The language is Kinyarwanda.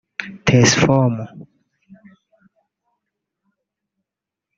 Tesfom